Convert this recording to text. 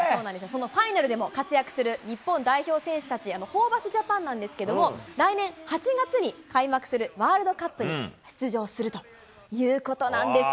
そのファイナルでも活躍する日本代表選手たち、ホーバスジャパンなんですけれども、来年８月に開幕するワールドカップに出場するということなんです。